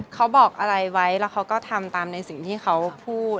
เขาบอกอะไรไว้แล้วเขาก็ทำตามในสิ่งที่เขาพูด